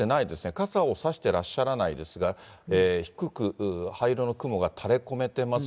傘を差してらっしゃらないですが、低く灰色の雲がたれこめてます。